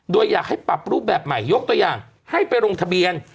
โดยอยากให้ปรับรูปแบบใหม่ยกตัวอย่างให้ไปลงทะเบียน